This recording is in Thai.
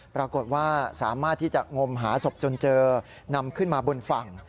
ปรากฏว่าสามารถที่จะงมหาศพจนเจอนำขึ้นมาบนฝั่ง